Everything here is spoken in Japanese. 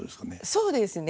そうですね。